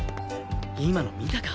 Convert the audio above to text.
今の見たか？